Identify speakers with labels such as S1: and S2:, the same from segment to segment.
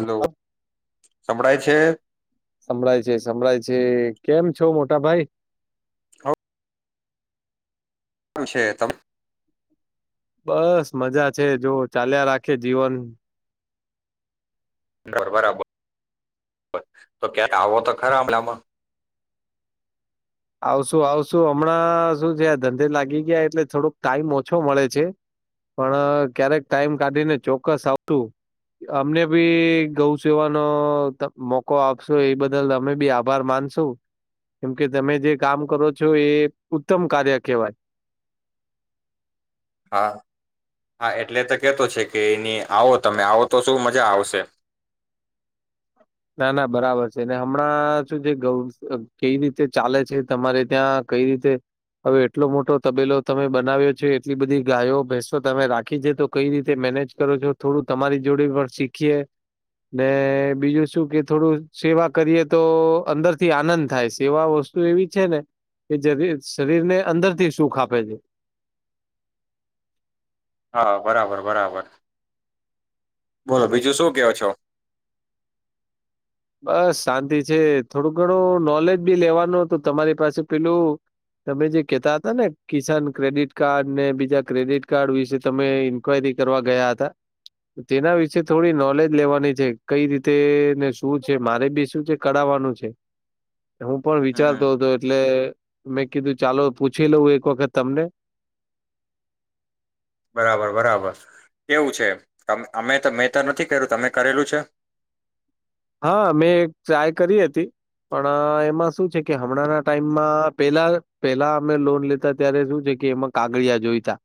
S1: Hello સંભળાય છે.
S2: સમળાય છે સમળાય છે કેમ છો મોટાભાઈ.
S1: કેમ છે તમ
S2: બસ મજા છે જો ચાલ્યા રાખે જીવન.
S1: બરાબર તો ક્યારે આવો તો ખરા હમળમાં?
S2: આવશું આવશું હમણાં શું છે આ ધંધે લાગી ગયા એટલે થોડોક ટાઈમ ઓછો મળે છે પણ ક્યારેક ટાઈમ કાઢીને ચોક્કસ આવશું અમને બી ગૌ સેવાનો મોકો આપશો એ બદલ અમે બી આભાર માનશું કેમ કે તમે જે કામ કરો છો એ ઉત્તમ કાર્ય કહેવાય.
S1: હા હા એટલે તો કેતો છે કે એની આવો તમે આવો તો શું મજા આવશે.
S2: ના ના બરાબર છે ને હમણાં શું જે કઈ રીતે ચાલે છે તમારે ત્યાં કઈ રીતે હવે એટલો મોટો તબેલો તમે બનાવ્યો છે એટલી બધી ગાયો ભેસો તમે રાખી છે તો કઈ રીતે મેનેજ કરો છો થોડું તમારી જોડે પણ શીખીએ ને બીજું શું કે થોડું સેવા કરીએ તો અંદરથી આનંદ થાય સેવા વસ્તુ એવી છે ને કે જ શરીરને અંદર થી સુખ આપે છે.
S1: હા બરાબર બરાબર બોલો બીજું શું કેવો છો.
S2: બસ શાંતિ છે. થોડું ઘણું નોલેજ બી લેવાનું તો તમારી પાસે પેલું તમે જે કેતા હતા ને કિસાન ક્રેડિટ કાર્ડ ને બીજા ક્રેડિટ કાર્ડ વિશે તમે ઈન્કવાયરી કરવા ગયા હતા. તેના વિશે થોડી નોલેજ લેવાની છે કઈ રીતે ને શું છે મારે બી શું છે કરાવવાનું છે. હું પણ
S1: હમ હમ
S2: વિચારતો હતો એટલે મેં કીધું ચાલો પૂછી લઉું એક વખત તમને
S1: બરાબર બરાબર કેવું છે અમે તો મેં તો નથી કર્યું તમે કરેલું છે.
S2: હા મેં ટ્રાય કરી હતી પણ એમાં શું છે. કે હમણાંના ટાઈમમાં પેલા પહેલા અમે લોન લેતા ત્યારે શું છે કે એમાં કાગળિયા જોઈતા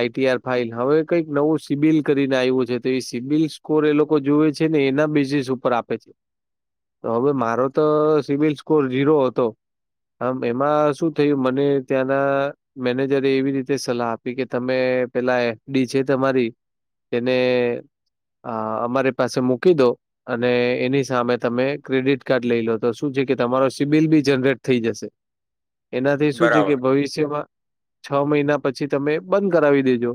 S2: આઈટીઆર ફાાઈલ હવે કઈક નવું સિબિલ કરીને આવ્યું છે તો એ સિબિલ સ્કોર એ લોકો જોવે છે ને એના બેઝિસ ઉપર આપ હવે મારો તો સિવિલ સ્કોર ઝીરો હતો આમ એમાં શું થયું મને ત્યાંના મેનેજરે એવી રીતે સલાહ આપી કે તમે પેલા એફડી છે તમારી તેને અમારી પાસે મૂકી દો અને એની સામે તમે ક્રેડિટ કાર્ડ લઈ લો તો શું છે કે તમારો સીબિલ બી જનરેટ થઈ જશે. એનાથી શું છે કે
S1: બરાબર
S2: ભવિષ્યમાં છ મહિના પછી તમે બંધ કરાવી દેજો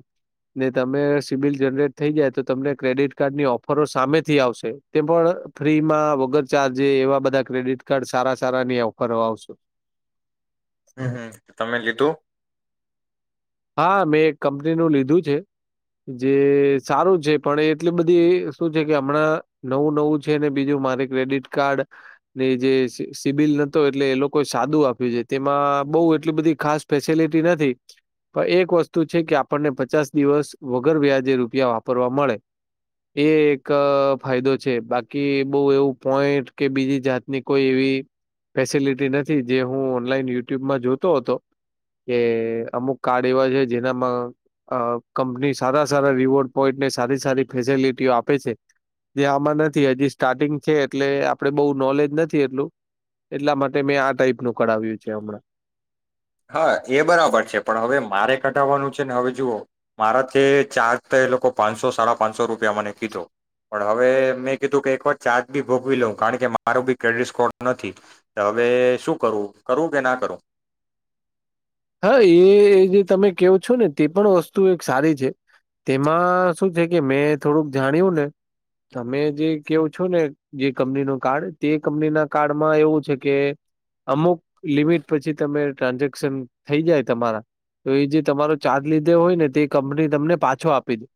S2: ને તમે સિબિલ જનરેટ થઈ જાય તો તમને ક્રેડિટ કાર્ડની ઓફરો સામેથી આવશે તે પણ ફ્રી માં વગર ચાર્જે એવા બધા ક્રેડિટ કાર્ડ સારા સારાની ઓફરો આવશો.
S1: હમ હમ તમે લીધું
S2: હા મેં એક કંપનીનુંનુ લીધું છે જે સારું છે પણ એટલી બધી શું છે કે હમણાં નવું નવું છે અને બીજુ પણ એક વસ્તુ છે કે આપણને પચાસ દિવસ વગર વ્યાજે રૂપિયા વાપરવા મળે, એ એક ફાયદો છે બાકી બહુ એવું પોઈન્ટ કે બીજી જાતની કોઈ એવી ફેસિલિટી નથી જે હું ઓનલાઈન યુટ્યુબમાં જોતો હતો કે અમુક કાર્ડ એવા છે જેનામાં કંપની સારા સારા રિવોર્ડ પોઈન્ટને સારી સારી ફેસિલિટીઓ આપે છે જે આમાં નથી હજી સ્ટાર્ટિંગ છે એટલે આપડે બહુ નોલેજ નથી એટલું એટલા માટે મેં આ ટાઈપનું કરાવ્યું છે હમણાં
S1: હા એ બરાબર છે પણ હવે મારે કઢાવવાનું છે ને હવે જુઓ મારાથી ચાર્જ તો એ લોકો પાંચસો સાડા પાંચસો રૂપિયા મને કીધો પણ હવે મેં કીધું કે એક વાર ચાર્જ બી ભોગવી લઉં કારણ કે મારો બી ક્રેડિટ સ્કોર નથી. તો હવે શું કરવું કરવું કે ના કરું
S2: હા એ જે તમે કેવો છો ને તે પણ વસ્તુ એક સારી છે. તેમાં શું છે કે મેં થોડુંક જાણ્યું ને તમે જે કેવો છો ને જે કંપની નો કાર્ડ તે કંપનીના કાર્ડમાં એવું છે કે અમુક લિમિટ પછી તમે ટ્રાન્ઝેક્શન થઈ જાય તમારા તો એ જે તમારો ચાર્જ લીધો હોય ને તે કંપની તમને પાછો આપી દે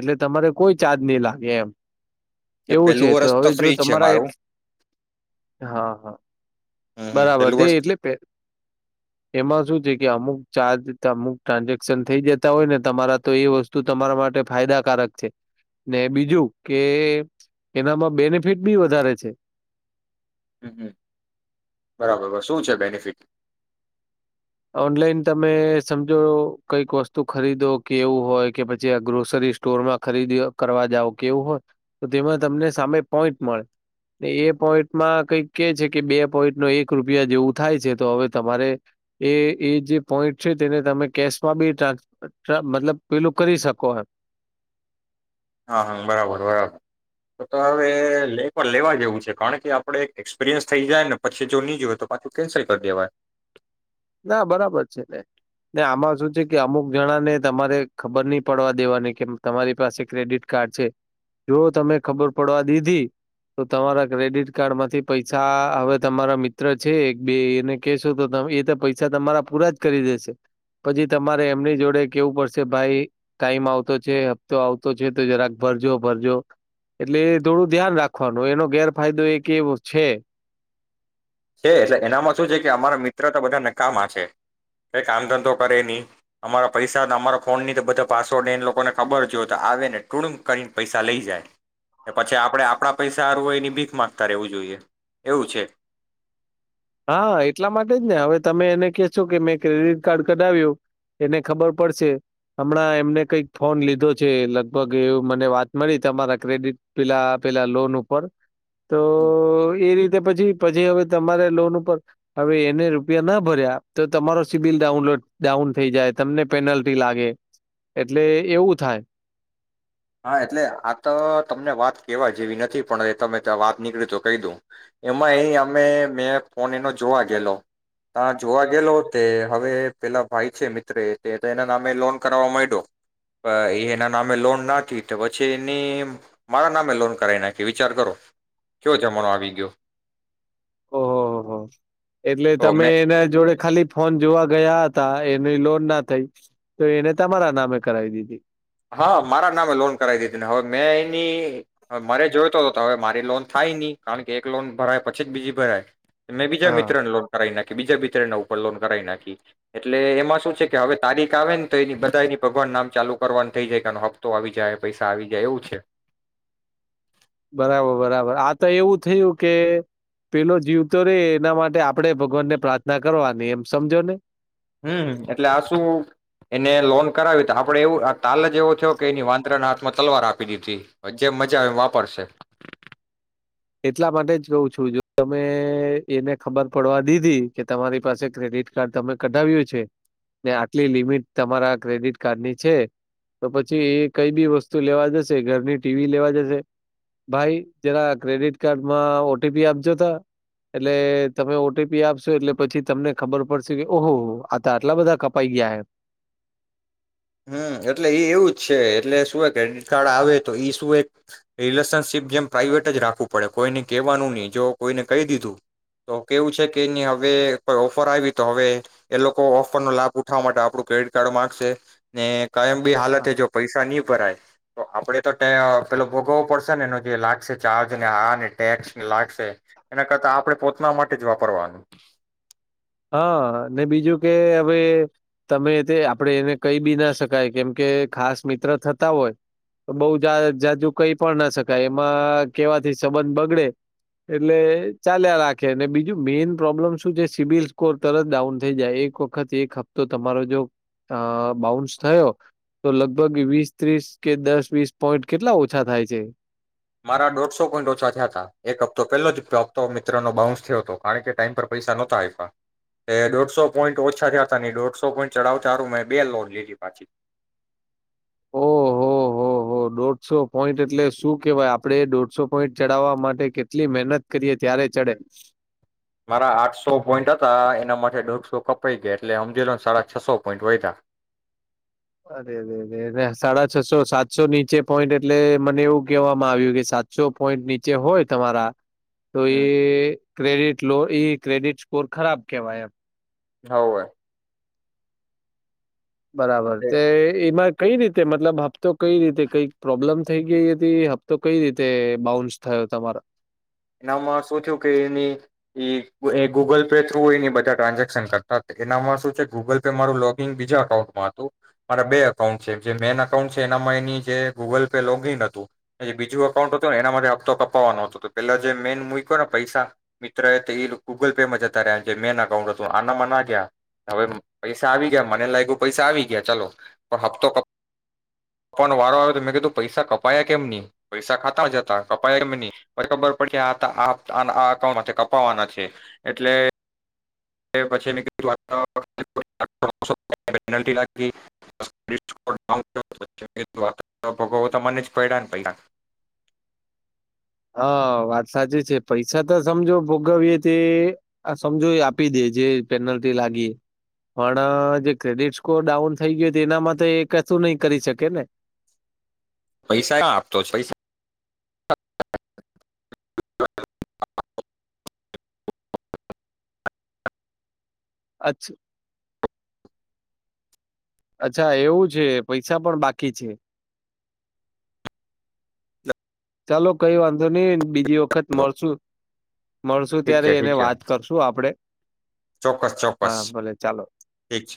S2: એટલે તમારે કોઈ ચાર્જ નહી લાગે એમ
S1: એ
S2: એવું છે
S1: પેલું
S2: તો
S1: વર્ષ
S2: હવે જો
S1: ફ્રી છે
S2: તમારા એ,
S1: મારું
S2: હા, હા
S1: હમ હમ
S2: બરાબર
S1: પેલું
S2: તે
S1: વર્ષ
S2: એટલે એમાં શું છે કે અમુક ચાર્જ અમુક ટ્રાન્ઝેક્શન થઈ જતા હોય ને તમારા તો એ વસ્તુ તમારા માટે ફાયદાકારક છે. ને બીજું કે એનામાં બેનિફિટ બી વધારે છે-
S1: હમ હમ બરાબર શું છે બેનિફિટ
S2: ઓનલાઈન તમે સમજો કઈક વસ્તુ ખરીદો કેવું હોય કે પછી આ ગ્રોસરી સ્ટોરમાં ખરીદ કરવા જાવ કેવું હોય તો તેમાં તમને સામે પોઈન્ટ મળે એ પોઈન્ટમાં કઈક કે છે કે બે પોઈન્ટ ન એક રૂપિયા જેવું થાય છે તો હવે તમારે એ એ જે પોઈન્ટ છે તેને તમે કેશમાં બી ટ્રા મતલબ પેલું કરી શકો હ
S1: હા, હા, બરાબર બરાબર તો તો હવેે લેવા જેવું છે કારણ કે આપડે એક્સપિરિયન્સ થઈ જાય ને પછી જો નીજ હોય તો પાછું કેન્સલ કરી દેવાય.
S2: ના બરાબર છે ને ને આમાં શું છે કે અમુક જણાને તમારે ખબર નહી પડવા દેવાની કે તમારી પાસે ક્રેડિટ કાર્ડ છે જો તમે ખબર પડવા દીધી તો તમારા ક્રેડિટ કાર્ડમાંથી પૈસા હવે તમારા મિત્ર છે એક બે એને કહેશો તો એ પૈસા તમારા પૂરા જ કરી દેશે પછી તમારે એમની જોડે કેવું પડશે ભાઈ ટાઈમ આવતો છે હપ્તો આવતો છે તો જરાક ભરજો, ભરજો એટલે થોડું ધ્યાન રાખવાનું એનો ગેરફાયદો એક એવો છે.
S1: છે એટલે એનામાં શું છે કે અમારા મિત્ર તો બધા નકામા છે કઈ કામ ધંધો કરે ની અમારા પૈસા અમારા ફોન ની તો બધા પાસવર્ડ એને લોકોને ખબર જો તો આવે ને ટૂણુમ કરીને પૈસા લઈ જાય, પછી આપણે આપણા પૈસા હારવું હોય એની ભીખ માંગતા રહેવું જોઈએ એવું છે.
S2: હા એટલા માટે જ ને હવે તમે એને કહેશો કે મેં ક્રેડિટ કાર્ડ કઢાવ્યો એને ખબર પડશે હમણાં એમને કઈક ફોન લીધો છે, લગભગ એ મને વાત મળી તમારા ક્રેડિટ પેલા પેલા લોન ઉપર તો એ રી પછી પછી હવે તમારે લોન હવે એને રૂપિયા ના ભર્યા તો તમારો સિબિલ ડાઉનલોડ ડાઉન થઈ જાય તમને પેનલ્ટી લાગે એટલે એવું થાય.
S1: હા એટલે આ તો તમને વાત કેવા જેવી નથી પણ તમે ત્યાં વાત નીકળી તો કહી દઉ. એમાં એ અમે મેં ફોન એનો જોવા ગયેલો, ત્યા જોવા ગેલો તે હવે પેલા ભાઈ છે મિત્ર એ તે એના નામે લોન કરાવવા માંયડો અ એ એના નામે લોન ના તો પછી એની મારા નામે લોન કરાઈ નાખી વિચાર કરો. કેવો જમાનો આવી ગયો.
S2: ઓહોહો એટલે
S1: તો
S2: તમે
S1: મેં
S2: એના જોડે ખાલી ફોન જોવા ગયા તા એની લોન ના થઈ તો એને તમારા નામે કરાવી દીધી.
S1: હા મારા નામે લોન કરાવી દીધી ને હવે મેં એની મારે જોઈતો હતો. હવે મારી લોન થાય ની કારણ કે એક લોન ભરાય પછી જ બીજી ભરાય. મેં બીજા
S2: હા.
S1: મિત્રને લોન કરાઈ નાખ બીજા મિત્રના ઉપર લોન કરાઈ નાખી એટલે એમાં શું છે કે હવે તારીખ આવે ન તો એની બધાય ની ભગવાન નામ ચાલુ કરવાન થઈ જાય. કે આનો હપ્તો આવી જાય, પૈસા આવી જાય એવું છે.
S2: બરાબર બરાબર આ તો એવું થયું કે પેલો જીવતો રે એના માટે આપણેે ભગવાનને પ્રાર્થના કરવાની એમ સમજો ને.
S1: હમ્મ. એટલે આ શું એને લોન કરાવી તો આપણેે એવું આ તાલ જ એવો થયો કે એની વાંદરાના હાથમાં તલવાર આપી દીધી. હવે જેમ મજા આવે એમ વાપરશે.
S2: એટલા માટે જ કઉ છું જો તમે એને ખબર પડવા દીધી કે તમારી પાસે ક્રેડિટ કાર્ડ તમે કઢાવ્યું છે ને આટલી લિમિટ તમારા ક્રેડિટ કાર્ડની છે. તો પછી એ કંઈ બી વસ્તુ લેવા જશે ઘરની ટીવી લેવા જશે ભાઈ જરા ક્રેડિટ કાર્ડમાં ઓ ટી પી આપજો તો. એટલે તમે ઓ ટી પી આપશો એટલે પછી તમને ખબર પડશે કે ઓહોહો આ તો આટલા બધા કપાઈ ગયા હે.
S1: હમ્મ, એટલે ઈ એવું જ છે એટલે શું હે ક્રેડિટ કાર્ડ આવે તો એ શું એક રિલેશનશીપ જેમ પ્રાાઈવેટ જ રાખવું પડે કોઈને કહેવાનું નહી જો કોઈને કહી દીધું તો કેવું છે કે એની હવે કોઈ ઓફર આવી તો હવે એ લોકો ઓફરનો લાભ ઉઠાવવા માટે આપણું ક્રેડિટ કાર્ડ માંગશે ને કાઈમબી હાલતે જો પૈસા ની ભરાય તો આપડે તો તે અહ પેલો ભોગવવો પડશે ને એનો જે લાગશે ચાર્જ ને, આ ને, ટેક્સ ને લાગશે. એના કરતા આપણે પોતાના માટે જ વાપરવાનું.
S2: હા ને બીજું કે હવે તમે તે આપણેે એને કંઈ બી ના શકાય કેમ કે ખાસ મિત્ર થતા હોય તો બહુ જા જાજુ કહી પણ ના શકાય એમાં કેવાથી સંબંધ બગડે એટલે ચાલ્યા રાખે ને બીજું મેઈન પ્રોબ્લેમ શું છે સિબિલ સ્કોર તરત ડાઉન થઈ જાય એક વખત એક હપ્તો તમારો જો અ બાઉન્સ થયો તો લગભગ વીસ ત્રીસ કે દસ વીસ પોઈન્ટ. કેટલા ઓછા થાય છે?
S1: મારા દોઢસો પોઈન્ટ ઓછા થયા તા એક હપ્તો પહેલો જ હપ્તો મિત્રનો બાઉન્સ થયો તો કારણ કે ટાઈમ પર પૈસા નહોતા આપ્યા એ દોઢસો પોઈન્ટ ઓછા થયા તા. ને ઈ દોઢસો પોઈન્ટ ચડાવતા તારું મેં બે લોન લીધી પાછી.
S2: ઓહો હો હો, દોઢસો પોઈન્ટ એટલે શું કહેવાય. આપણે દોઢસો પોઈન્ટ ચડાવવા માટે કેટલી મહેનત કરીએ ત્યારે ચડે.
S1: મારા આઠસો પોઈન્ટ હતા એનામાંથી દોઢસો કપાઈ ગયા એટલે હમજીલોને સાડા છસો પોઈન્ટ વયધા.
S2: અરે રે-રે-રે સાડા છસો સાતસો નીચે પોઈન્ટ એટલે મને એવું કહેવામાં આવ્યું કે સાતસો પોઈન્ટ નીચે હોય તમારા તો એ
S1: હમ
S2: ક્રેડિટ લો ઈ ક્રેડિટ સ્કોર ખરાબ કેવાય એમ.
S1: આવું હે.
S2: બરાબર તે એમાં કંઈ રીતે મતલબ હપ્તો કંઈ રીતે કંઈક પ્રોબ્લમ થઈ ગઈ હતી હપ્તો કઈ રીતે બાઉન્સ થયો તમારો?
S1: ના એમાં શું થયું કે એની ઈ એ ગૂગલ પે થ્રુ એની બધા ટ્રાન્ઝેક્શન કરતા તો એનામાં શું છે ગુગલ પે મારું લોગિન બીજા અકાઉન્ટમાં હતું મારા બે અકાઉન્ટ છે જે મેન અકાઉન્ટ છે એનામાં એની જે ગૂગલ પે લોગિન હતું અને જે બીજું અકાઉન્ટ હતું ને એના માટે હપ્તો કપાવવાનો હતો તો. પેલા જે મેન મૂક્યો ને પૈસા મિત્ર એ તો ઈ ગૂગલ પે માં જતા રહ્યા જે મેન અકાઉન્ટ હતું આનામાં ના ગયા હવે પૈસા આવી ગયા મને લાગ્યું પૈસા આવી ગયા ચાલો પણ હપ્તો કપાવવાનો વારો આવ્યો મેં કીધું કે પૈસા કપાયા કેમ નહી પૈસા ખાતામાં જ હતા કપાયા કેમ નહી. પછી ખબર પડી કે આ તા આનાઆ અકાઉન્ટમાંથી કપાવવાના નથી એટલે [unintelligible] ભોગવવા તો મને જ પડ્યાને પૈહા.
S2: હા વાત સાચી છે પૈસા તો સમજો ભોગવીએ તે આ સમજો એ આપી દે જે પેનલ્ટી લાગી પણ જે ક્રેડિટ સ્કોર ડાઉન થઈ ગયો તો એનામાં તો એ કશું નહીં કરી શકે ને.
S1: પૈસા ક્યાં આપતો પૈસા [unintelligible]
S2: અચ્છા. અચ્છા એવું છે પૈસા પણ બાકી છે. ચાલો કંઈ વાંધો નહીં બીજી વખત મળશું. મળશું
S1: ઠીક
S2: ત્યારે
S1: છે
S2: એને
S1: ઠીક છે
S2: વાત કરશું આપણે
S1: ચોક્કસ ચોક્કસ
S2: હા ભલે ચાલો.
S1: ઠીક છે